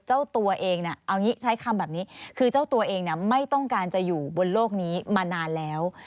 เจ้าตัวเองเอางี้ใช้คำแบบนี้คือเจ้าตัวเองไม่ต้องการจะอยู่บนโลกนี้มานานแล้ว